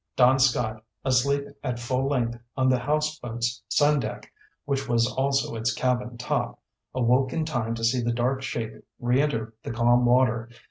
Don Scott, asleep at full length on the houseboat's sun deck, which was also its cabin top, awoke in time to see the dark shape reenter the calm water.